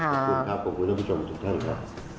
ขอบคุณครับขอบคุณท่านผู้ชมทุกท่านครับ